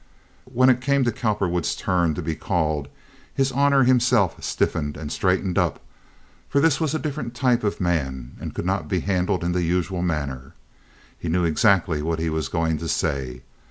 When it came to Cowperwood's turn to be called, his honor himself stiffened and straightened up, for this was a different type of man and could not be handled in the usual manner. He knew exactly what he was going to say.